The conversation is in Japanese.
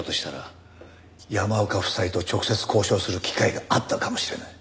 山岡夫妻と直接交渉する機会があったかもしれない。